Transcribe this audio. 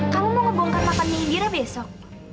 kamu mau ngebongkar makannya indira besok